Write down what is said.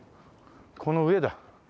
この上だ。